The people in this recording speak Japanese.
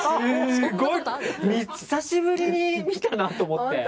すごい久しぶりに見たなと思って。